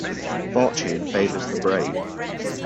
Fortune favours the brave.